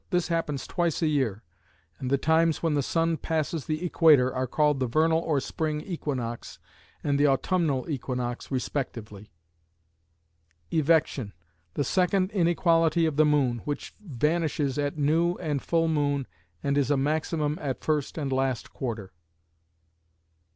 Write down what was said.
This happens twice a year, and the times when the sun passes the equator are called the vernal or spring equinox and the autumnal equinox respectively. Evection: The second inequality of the moon, which vanishes at new and full moon and is a maximum at first and last quarter.